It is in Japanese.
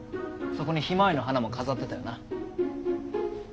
そこにひまわりの花も飾ってたよな。